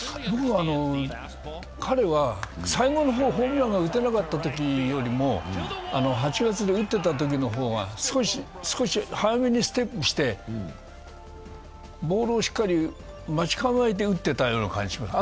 彼は最後の方、ホームランが打てなかった時よりも、８月に打ってたときの方が少し早めにステップしてボールをしっかり待ち構えて打ってたような気がしますね。